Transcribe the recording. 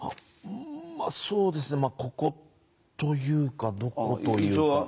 まあ、そうですね、ここというか、どこというか。